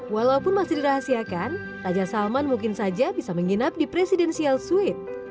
walaupun masih dirahasiakan raja salman mungkin saja bisa menginap di presidential suite